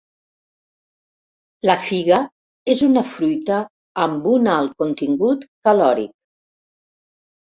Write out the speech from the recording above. La figa és una fruita amb un alt contingut calòric.